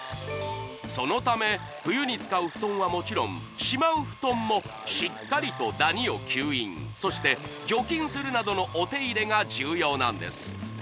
そのため冬に使う布団はもちろんしまう布団もしっかりとダニを吸引そして除菌するなどのお手入れが重要なんです